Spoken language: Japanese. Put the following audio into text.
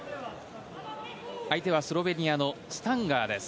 相手はスロベニアのスタンガーです。